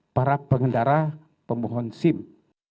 setiap para pengendara pemohon simc